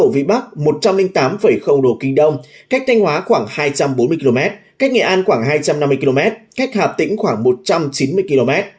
vị trí tâm báo ở khoảng một mươi tám chín độ vn cách thanh hóa khoảng hai trăm bốn mươi km cách nghệ an khoảng hai trăm năm mươi km cách hạ tính khoảng một trăm chín mươi km